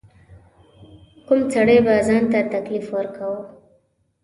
کم سړي به ځان ته تکلیف ورکاوه.